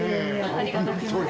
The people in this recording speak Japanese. ありがとうございます。